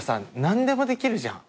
何でもできるじゃん。